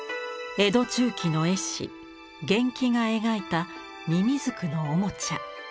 江戸中期の絵師源が描いたみみずくのおもちゃ。